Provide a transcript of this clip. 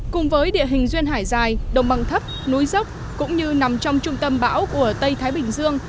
cùng với địa hình duyên hải dài đồng bằng thấp núi dốc cũng như nằm trong trung tâm bão của tây thái bình dương